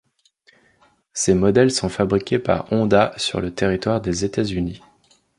Ces modèles sont fabriqués par Honda sur le territoire des États-Unis.